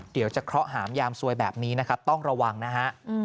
เดี๋ยวจะเคราะห์หามยามซวยแบบนี้นะครับต้องระวังนะฮะ